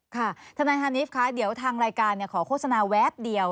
ค่ะทนายฮานิฟคะเดี๋ยวทางรายการขอโฆษณาแวบเดียว